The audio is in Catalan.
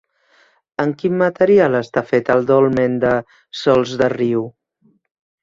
Amb quin material està fet el dolmen de Sòls de Riu?